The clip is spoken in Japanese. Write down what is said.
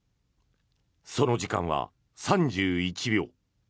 その時間は３１秒。